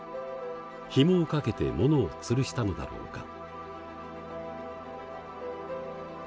ひもを掛けて物をつるしたのだろうか。